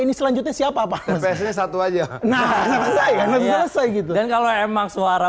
ini selanjutnya siapa pak rps nya satu aja nah saya nggak bisa saya gitu dan kalau emang suara